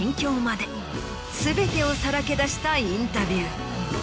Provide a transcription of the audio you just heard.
全てをさらけ出したインタビュー。